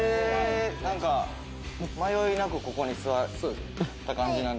なんか迷いなくここに座った感じなんですけど。